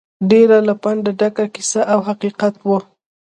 ډېره له پنده ډکه کیسه او حقیقت وه.